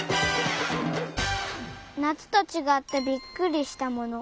「なつとちがってびっくりしたもの」